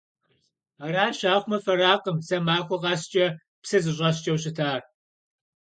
Аращ, ахъумэ фэракъым, сэ махуэ къэскӀэ псы зыщӀэскӀэу щытар.